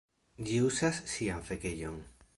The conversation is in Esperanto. ĝi uzas sian fekejon.